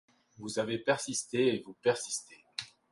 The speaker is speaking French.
Vous avez persisté, et vous persistez.